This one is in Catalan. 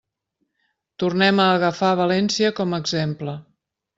Tornem a agafar València com a exemple.